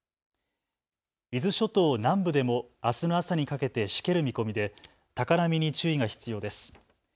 伊豆諸島南部でもあすの朝にかけてしける見込みで高波に注意が必要です。